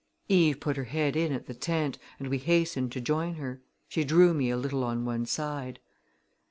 Eve put her head in at the tent and we hastened to join her. She drew me a little on one side.